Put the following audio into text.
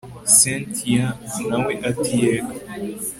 cyntia nawe ati yego